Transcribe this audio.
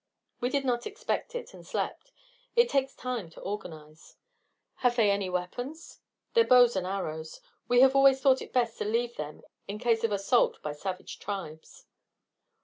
"We did not expect it, and slept. It takes time to organise." "Have they any weapons?" "Their bows and arrows. We have always thought it best to leave them those in case of assault by savage tribes."